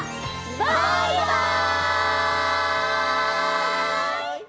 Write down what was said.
バイバイ！